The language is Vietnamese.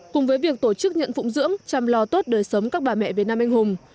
cùng với việc tổ chức nhận phụng dưỡng chăm lo tốt đời sống các bà mẹ việt nam anh hùng